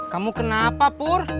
kamu kenapa pur